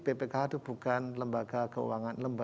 bpkh itu bukan lembaga keuangan